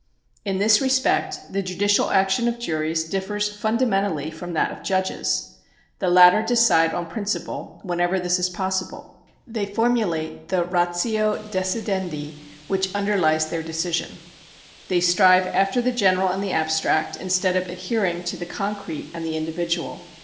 In this respect the judicial action of juries differs fundamentally from that of judges. The latter decide on principle, whenever this is possible ; they formulate the ratio decidendi which underlies then decision ; they strive after the general and the abstract, instead of adhering to the concrete and the individual.